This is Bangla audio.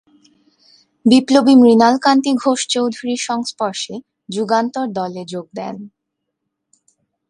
বিপ্লবী মৃণাল কান্তি ঘোষ চৌধুরীর সংস্পর্শে যুগান্তর দলে যোগ দেন।